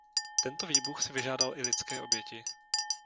Tento výbuch si vyžádal i lidské oběti.